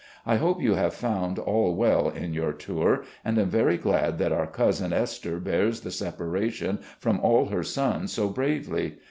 I hope you have found all well in your tour, and am very glad that our cousin Esther bears the separation from all her sons so bravely.